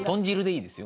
いいです。